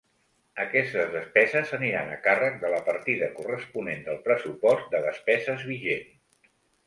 Aquestes despeses aniran a càrrec de la partida corresponent del pressupost de despeses vigent.